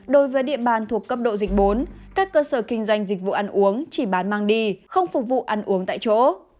đối với địa bàn thuộc cấp độ dịch bốn các cơ sở kinh doanh dịch vụ ăn uống chỉ bán mang đi không phục vụ ăn uống tại chỗ